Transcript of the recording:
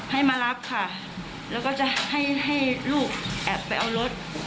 ให้มารับค่ะแล้วก็จะให้ให้ลูกแอบไปเอารถ